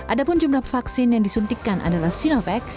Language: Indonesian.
ada pun jumlah vaksin yang disuntikan adalah sinovac